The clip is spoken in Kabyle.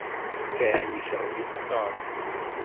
Ken yecɣeb-it Tom.